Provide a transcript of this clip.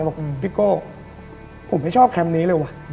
บอกพี่โก้ผมไม่ชอบแคมป์นี้เลยวะ